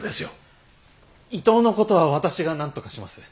伊藤のことは私がなんとかします。